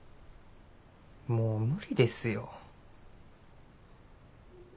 もう無理ですよ。